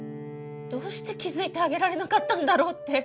どうして気付いてあげられなかったんだろうって。